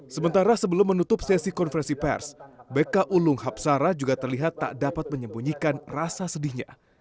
sementara sebelum menutup sesi konferensi pers bk ulung hapsara juga terlihat tak dapat menyembunyikan rasa sedihnya